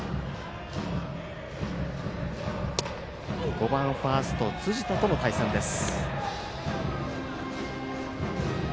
５番ファースト辻田との対戦です。